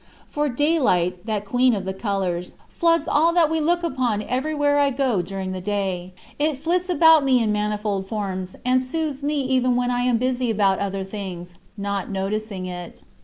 For daylight, that queen of the colors, floods all that we look upon everywhere I go during the day. It flits about me in manifold forms and soothes me even when I am busy about other things, not noticing it.